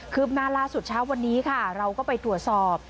ืบหน้าล่าสุดเช้าวันนี้ค่ะเราก็ไปตรวจสอบ